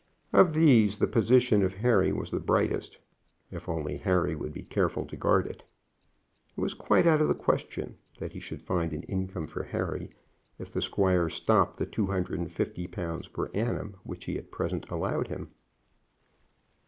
Of these, the position of Harry was the brightest, if only Harry would be careful to guard it. It was quite out of the question that he should find an income for Harry if the squire stopped the two hundred and fifty pounds per annum which he at present allowed him.